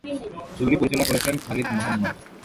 ছবিটি পরিচালনা করেছেন খালিদ মোহাম্মদ।